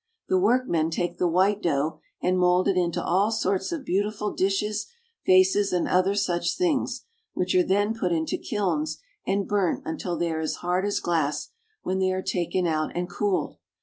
The workmen take the white dough and mold it into all sorts of beautiful dishes, vases, and other such things, which are then put into kilns and burnt until they are as hard as glass, when they are taken out and cooled.